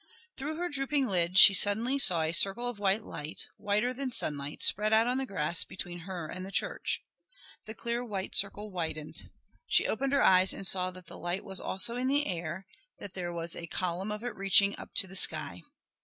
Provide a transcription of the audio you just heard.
Through her drooping lids she suddenly saw a circle of white light, whiter than sunlight, spread out on the grass between her and the church. The clear white circle widened. She opened her eyes and saw that the light was also in the air, that there was a column of it reaching up to the sky.